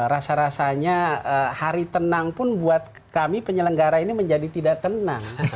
rasa rasanya hari tenang pun buat kami penyelenggara ini menjadi tidak tenang